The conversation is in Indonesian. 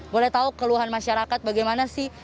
boleh tahu keluhan masyarakat bagaimana sih